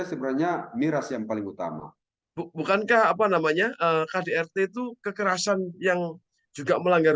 sebenarnya miras yang paling utama bukankah apa namanya kdrt itu kekerasan yang juga melanggar